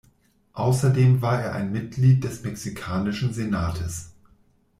Außerdem war er ein Mitglied des Mexikanischen Senates.